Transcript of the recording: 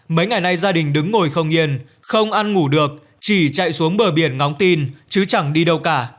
mấy ngày nay gia đình đứng ngồi không yên không ăn ngủ được chỉ chạy xuống bờ biển ngóng tin chứ chẳng đi đâu cả